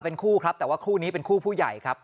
เป็นคู่ครับแต่ว่าคู่นี้เป็นคู่ผู้ใหญ่ครับ